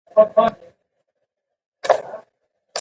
د منځنیو پیړیو د کیمیا فلسفه په کتاب کې مهمه ده.